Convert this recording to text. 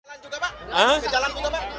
jalan juga pak ke jalan buka pak